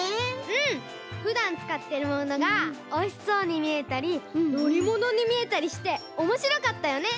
うんふだんつかってるものがおいしそうにみえたりのりものにみえたりしておもしろかったよね！